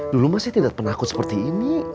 dulu masih tidak penakut seperti ini